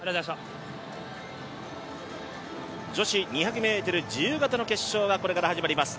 女子２００ｍ自由形の決勝がこれから始まります。